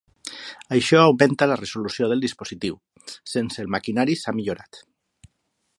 Això augmenta la resolució del dispositiu, sense el maquinari s'ha millorat.